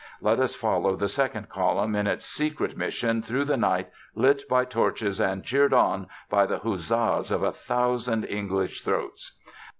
Let us follow the second column on its secret mission through the night, lit by torches and cheered on by the huzzas of a thousand English throats.